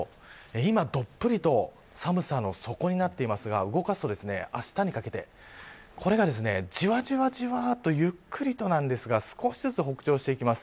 現在どっぷりと寒さの底になっていますが、動かすとあしたにかけて、じわじわとゆっくりなんですが少しずつ北上していきます。